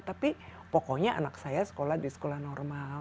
tapi pokoknya anak saya sekolah di sekolah normal